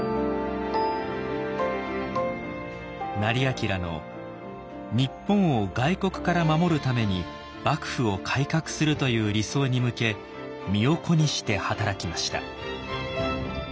斉彬の「日本を外国から守るために幕府を改革する」という理想に向け身を粉にして働きました。